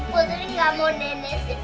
putri gak mau nenek sedih